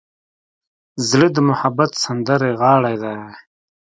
زړه د محبت سندرغاړی دی.